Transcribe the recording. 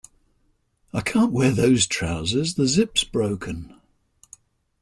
I can't wear those trousers; the zip’s broken